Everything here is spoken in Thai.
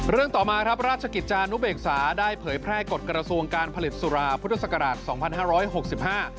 เรื่องต่อมาครับราชกิจจานุเบกษาได้เผยแพร่กฎกรสูงการผลิตสุราพุทธศักราช๒๕๖๕